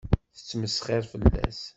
Tettmesxiṛ fell-as.